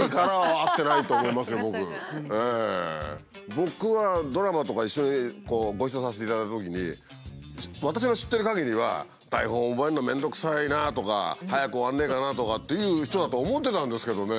僕はドラマとか一緒にこうご一緒させていただいたときに私の知ってるかぎりは「台本覚えるの面倒くさいな」とか「早く終わんねえかな」とかっていう人だと思ってたんですけどね